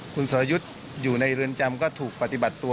คุณสรยุทธ์อยู่ในเรือนจำก็ถูกปฏิบัติตัว